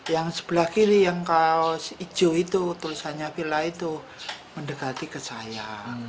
yang sebelah kiri yang kaos hijau itu tulisannya villa itu mendekati ke saya